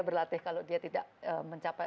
berlatih kalau dia tidak mencapai